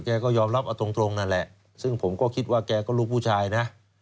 ก็ยอมรับเอาตรงนั่นแหละซึ่งผมก็คิดว่าแกก็ลูกผู้ชายนะ